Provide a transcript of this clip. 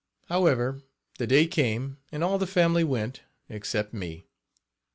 However, the day came and all the family went except me.